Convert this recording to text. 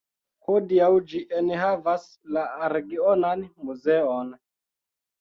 Hodiaŭ ĝi enhavas la regionan muzeon.